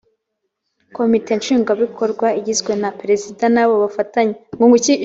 komite nshingwabikorwa igizwe na perezida n’abo bafatanya